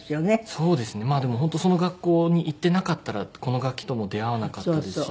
そうですねまあでも本当その学校に行ってなかったらこの楽器とも出会わなかったですし。